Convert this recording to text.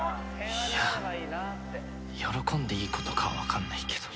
いや喜んでいいことかはわかんないけど。